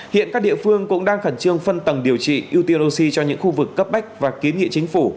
hiện các địa phương cũng đang khẩn trương phân tầng điều trị ưu tiên oxy cho những khu vực cấp bách và kiến nghị chính phủ